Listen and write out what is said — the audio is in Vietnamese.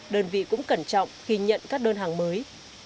đơn vị cũng cẩn trọng khi nhận các đơn hàng mới